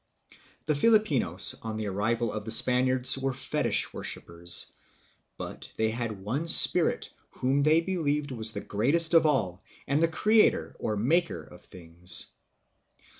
The Filipinos on the arrival of the Spaniards were fetish worshipers, but they had one spirit whom they believed was the greatest of all and the creator or maker of things.